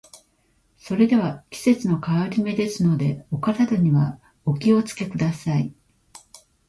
それでは、季節の変わり目ですので、お体にはお気を付けください。